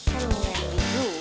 kan ini udah dijual